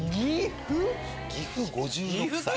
岐阜５６歳。